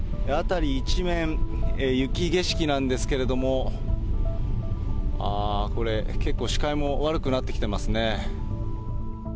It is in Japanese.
辺り一面、雪景色なんですけれども、ああ、これ、結構視界も悪くなってきてますね。